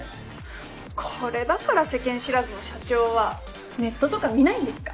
これだから世間知らずの社長はネットとか見ないんですか？